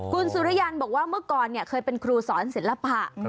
คุณสุริยันบอกว่าเมื่อก่อนเคยเป็นครูสอนศิลปะ